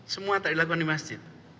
semua tak dilakukan di masjid